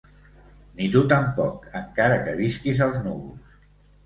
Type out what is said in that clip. Ni tu tampoc, encara que visquis als núvols.